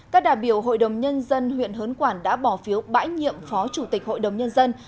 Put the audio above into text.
các đại biểu hội đồng nhân dân huyện hớn quản đã bỏ phiếu bãi nhiệm phó chủ tịch hội đồng nhân dân